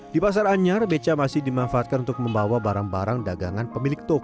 di pasar anyar beca masih dimanfaatkan untuk membawa barang barang dagangan pemilik toko